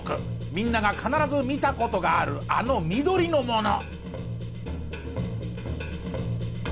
みんなが必ず見た事があるあの緑のもの。